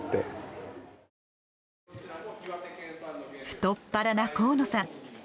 太っ腹な河野さん。